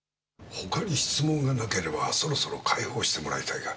他に質問がなければそろそろ解放してもらいたいが。